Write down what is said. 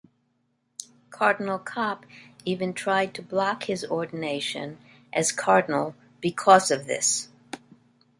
Cardinal Kopp even tried to block his ordination as Cardinal because of this.